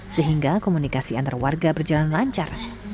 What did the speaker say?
sehingga komunikasi antar warga berjalan lancar